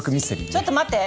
ちょっと待って！